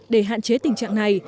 để hạn chế tình trạng này